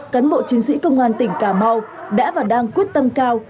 cán bộ chiến sĩ công an tỉnh cà mau đã và đang quyết tâm cao